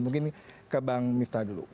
mungkin ke bang miftah dulu